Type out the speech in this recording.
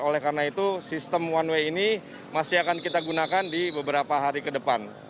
oleh karena itu sistem one way ini masih akan kita gunakan di beberapa hari ke depan